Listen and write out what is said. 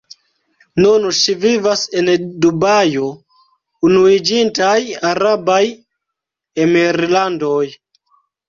Nun ŝi vivas en Dubajo, Unuiĝintaj Arabaj Emirlandoj.